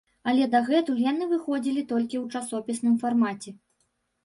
Але дагэтуль яны выходзілі толькі ў часопісным фармаце.